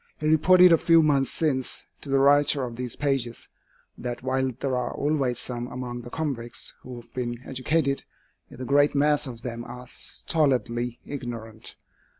He reported a few months since to the writer of these pages, that while there are always some among the convicts who have been educated, yet the great mass of them are stolidly ignorant.